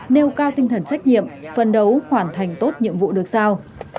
nêu cao tinh thần xét nghiệm phần đấu hoàn thành tốt nhiệm vụ được sao